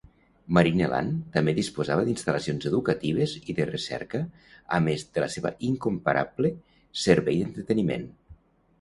Marineland també disposava d'instal·lacions educatives i de recerca a més de la seva incomparable servei d'entreteniment.